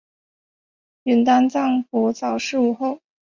允丹藏卜早逝无后。